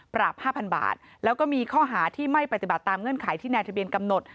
๕๐๐บาทแล้วก็มีข้อหาที่ไม่ปฏิบัติตามเงื่อนไขที่นายทะเบียนกำหนด